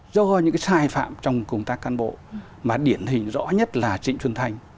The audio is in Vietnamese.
do những cái sai phạm trong công tác cán bộ mà điển hình rõ nhất là trịnh xuân thanh